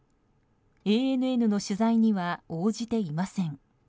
ＡＮＮの取材には応じていません。